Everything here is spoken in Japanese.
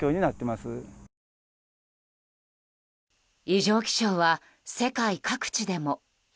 異常気象は世界各地でも。